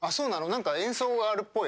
何か演奏があるっぽい